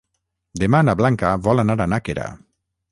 Demà na Blanca vol anar a Nàquera.